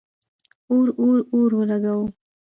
اور، اور، اور ولګوو